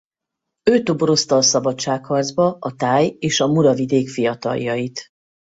Ő toborozta a szabadságharcba a táj és a Muravidék fiataljait.